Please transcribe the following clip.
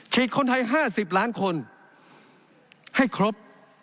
คนไทย๕๐ล้านคนให้ครบ